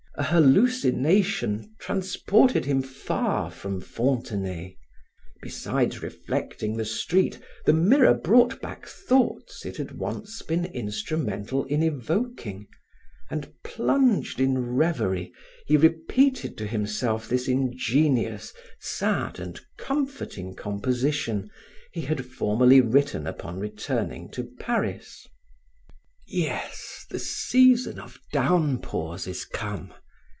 A hallucination transported him far from Fontenay. Beside reflecting the street, the mirror brought back thoughts it had once been instrumental in evoking, and plunged in revery, he repeated to himself this ingenious, sad and comforting composition he had formerly written upon returning to Paris: "Yes, the season of downpours is come.